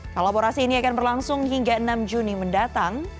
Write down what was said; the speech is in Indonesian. kolaborasi ini akan berlangsung hingga enam juni mendatang